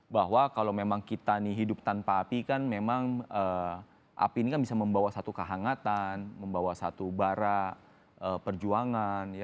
bahwa kalau memang kita nih hidup tanpa api kan memang api ini kan bisa membawa satu kehangatan membawa satu bara perjuangan